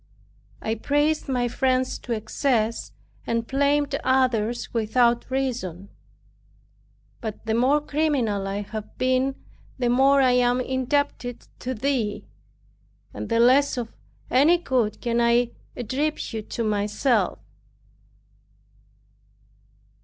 I praised my friends to excess, and blamed others without reason. But, the more criminal I have been, the more I am indebted to Thee, and the less of any good can I attribute to myself.